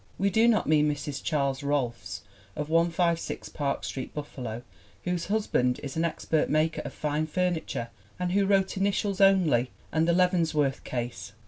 We do not mean Mrs. Charles Rohlfs of 156 Park Street, Buffalo, whose husband is an expert maker of fine furniture and who wrote Initials Only and The Leavenworth Case.